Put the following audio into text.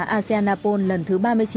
aseanapol lần thứ ba mươi chín